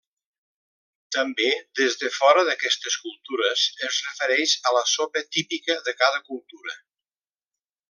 També, des de fora d'aquestes cultures es refereix a la sopa típica de cada cultura.